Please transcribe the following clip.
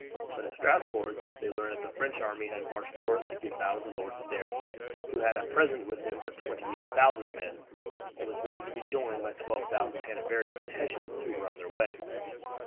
But at Strasbourg they learned that the French army had marched north to give battle to Lord Stair, who had at present with him but twenty eight thousand men, and was waiting to be joined by twelve thousand Hanoverians and Hessians who were on their way.